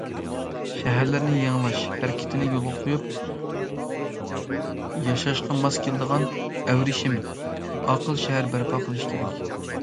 شەھەرلەرنى يېڭىلاش ھەرىكىتىنى يولغا قويۇپ، ياشاشقا ماس كېلىدىغان، ئەۋرىشىم، ئاقىل شەھەر بەرپا قىلىش كېرەك.